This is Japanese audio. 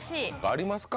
ありますか？